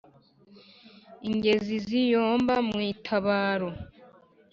Inkezi ziyomba mu itabaro.